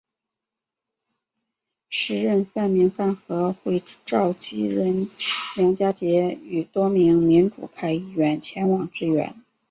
时任泛民饭盒会召集人梁家杰与多名民主派议员前往支援。